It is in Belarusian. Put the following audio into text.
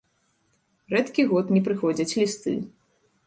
Рэдкі год не прыходзяць лісты.